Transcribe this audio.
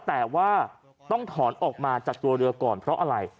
แต่ว่าต้องถอนออกมาจากตัวเรือก่อนเพราะอะไร